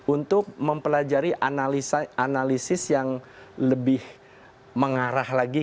untuk mempelajari analisis yang lebih mengarah lagi